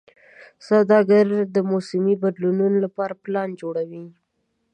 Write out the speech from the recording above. سوداګر د موسمي بدلونونو لپاره پلان جوړوي.